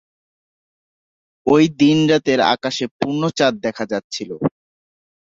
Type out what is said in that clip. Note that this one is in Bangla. ঐ দিন রাতের আকাশে পূর্ণ চাঁদ দেখা যাচিছল।